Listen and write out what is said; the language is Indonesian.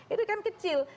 itu kan kecil